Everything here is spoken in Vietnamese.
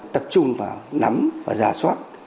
tập trung vào nắm và giả soát